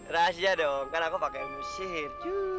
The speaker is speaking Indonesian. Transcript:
rahasia dong kan aku pake ilmu sihir